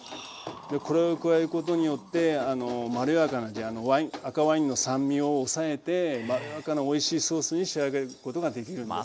これを加えることによってまろやかな赤ワインの酸味を抑えてまろやかなおいしいソースに仕上げることができるんです。